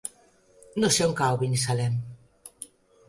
No sé on cau Binissalem.